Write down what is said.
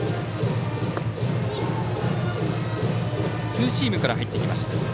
ツーシームから入ってきました。